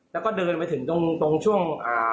แล้วก็เดินไปถึงตรงช่วง